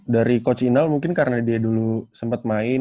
dari coach inal mungkin karena dia dulu sempat main